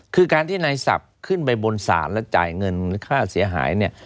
คือการที่นายศัพท์ขึ้นไปบนศาลแล้วจ่ายเงินค่าเสียหายเนี่ย